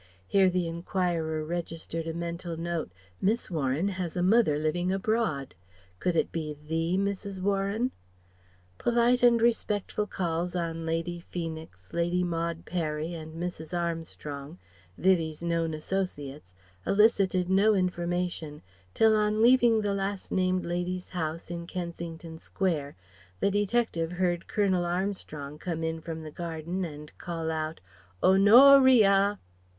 (Here the enquirer registered a mental note: Miss Warren has a mother living abroad: could it be the Mrs. Warren?). Polite and respectful calls on Lady Feenix, Lady Maud Parry, and Mrs. Armstrong Vivie's known associates elicted no information, till on leaving the last named lady's house in Kensington Square the detective heard Colonel Armstrong come in from the garden and call out "Ho no ria."